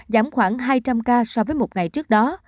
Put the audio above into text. giảm khoảng hai trăm linh ca so với một ngày trước đó